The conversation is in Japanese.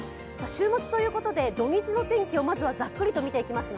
週末ということで土日の天気をまずはざっくりと見ていきます。